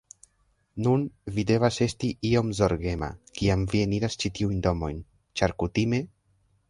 Nun, vi devas esti iom zorgema, kiam vi eniras ĉi tiujn domojn, ĉar kutime...